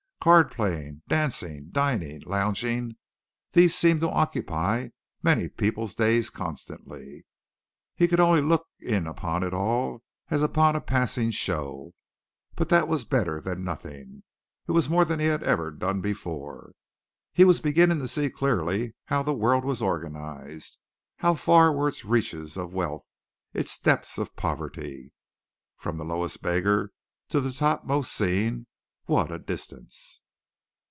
Card playing, dancing, dining, lounging, these seemed to occupy many people's days constantly. He could only look in upon it all as upon a passing show, but that was better than nothing. It was more than he had ever done before. He was beginning to see clearly how the world was organized, how far were its reaches of wealth, its depths of poverty. From the lowest beggar to the topmost scene what a distance!